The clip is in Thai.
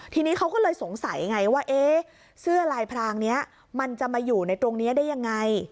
ทีนี้เขาก็เลยสงสัยไงว่าเอ๊ะเสื้อลายพรางนี้มันจะมาอยู่ในตรงนี้ได้ยังไง